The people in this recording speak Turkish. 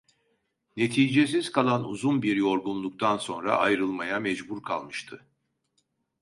Neticesiz kalan uzun bir yorgunluktan sonra ayrılmaya mecbur kalmıştı.